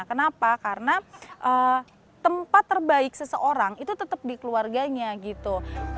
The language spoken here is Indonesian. kenapa karena tempat terbaik seseorang itu tetap di keluarganya gitu